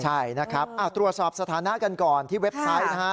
ใช่นะครับตรวจสอบสถานะกันก่อนที่เว็บไซต์นะฮะ